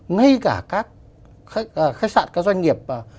ngay cả các khách sạn các doanh nghiệp